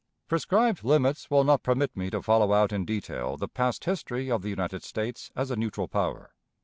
Prescribed limits will not permit me to follow out in detail the past history of the United States as a neutral power.